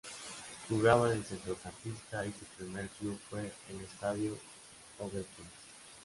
Jugaba de centrocampista y su primer club fue el Stadium Ovetense.